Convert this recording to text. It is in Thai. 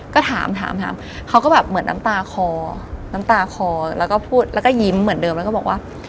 ก็ถามถามเขาก็แบบเหมือนน้ำตาคอน้ำตาคอแล้วก็พูดแล้วก็ยิ้มเหมือนเดิมแล้วก็บอกว่า